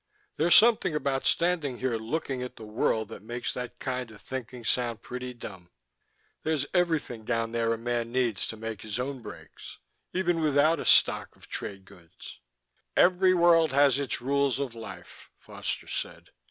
"There's something about standing here looking at the world that makes that kind of thinking sound pretty dumb. There's everything down there a man needs to make his own breaks even without a stock of trade goods." "Every world has its rules of life," Foster said.